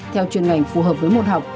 theo chuyên ngành phù hợp với một học